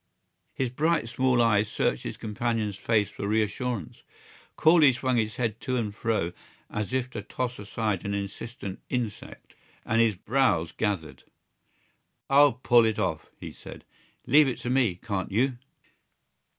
His bright, small eyes searched his companion's face for reassurance. Corley swung his head to and fro as if to toss aside an insistent insect, and his brows gathered. "I'll pull it off," he said. "Leave it to me, can't you?"